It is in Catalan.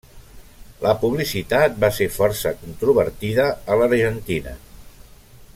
La publicitat va ser força controvertida a l'Argentina.